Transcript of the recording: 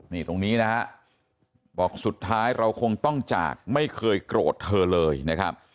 นี่ตรงนี้นะฮะบอกสุดท้ายเราคงต้องจากไม่เคยโกรธเธอเลยนะครับ